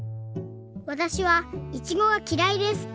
「わたしはいちごがきらいです。